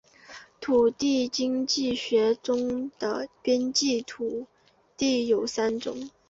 土地经济学中的边际土地有三种